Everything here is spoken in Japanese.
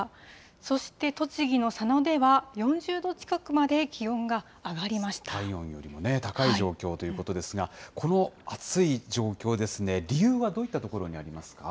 そして栃木の佐野では、４０度近体温よりも高い状況ということですが、この暑い状況ですね、理由はどういったところにありますか。